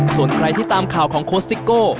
ส่วนใครที่ตามข่าวของโค้ชซิโก้